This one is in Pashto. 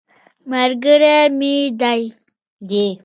ملګری مې دی.